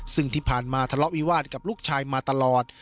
ซึ่งที่ผ่านมาทะเลาะวิวาสกับลูกชายมาตลอด